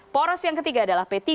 poros yang ketiga adalah p tiga